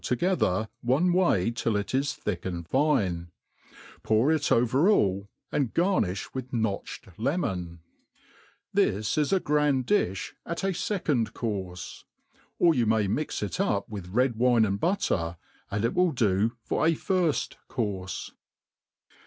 toge ther one way till it is thick and fine;, pouf it over all^ and garnifll with notched lemon* This is a gtand difh at a fecond courTe. JCir yoii may mix it upiieith red wine and butter, and it will db for a firfl courfe.